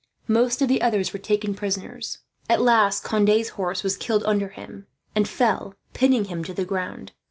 Most of the others were taken prisoners. At last Conde's horse was killed under him and fell, pinning him to the ground.